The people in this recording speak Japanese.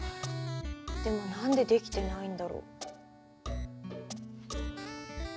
でも何でできてないんだろう。